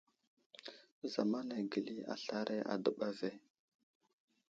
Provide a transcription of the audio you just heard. Zamana gəli aslaray a dəɓa ve.